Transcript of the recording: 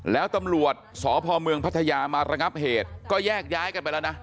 แล้วตำรวจสพเมืองพัทยามาระงับเหตุก็แยกย้ายกันไปแล้วนะ